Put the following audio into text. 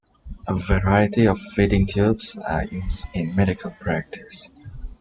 A variety of feeding tubes are used in medical practice.